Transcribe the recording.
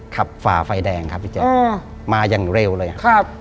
ฝ่าไฟแดงครับพี่แจ๊คมาอย่างเร็วเลยครับ